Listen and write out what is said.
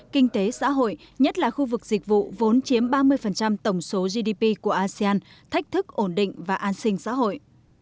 kinh tế xã hội nhất là khu vực dịch vụ vốn chiếm ba mươi tổng số gdp của asean thách thức ổn định và an sinh xã hội